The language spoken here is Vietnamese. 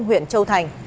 huyện châu thành